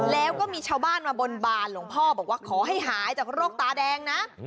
แล้วก็มีชาวบ้านมาบนบานหลวงพ่อบอกว่าขอให้หายจากโรคตาแดงนะ